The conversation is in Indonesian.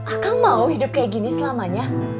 aku mau hidup kayak gini selamanya